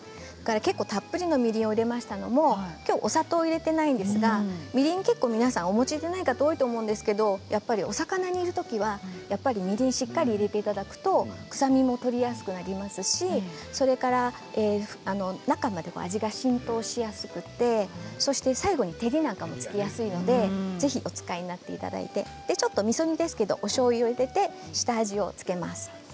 結構たっぷりのみりんを入れましたのもきょうはお砂糖を入れていないんですが、みりんは結構皆さんお持ちでない方多いと思うんですがお魚、煮るときはみりんをしっかり入れていただくと臭みも取れやすくなりますし中まで味が浸透しやすくて最後に照りなんかもつけやすいのでぜひお使いになっていただいてみそ煮ですけどおしょうゆを入れて下味を付けます。